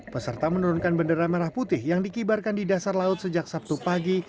peserta menurunkan bendera merah putih yang dikibarkan di dasar laut sejak sabtu pagi